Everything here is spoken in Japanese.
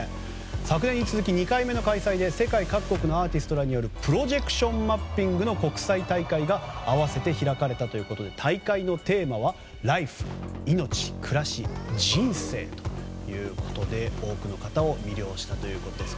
昨年に続き２回目の開催で世界各国のアーティストらによるプロジェクションマッピングの国際大会が併せて開かれたということで大会のテーマは「ＬＩＦＥ／命・暮らし・人生」多くの方を魅了したということです。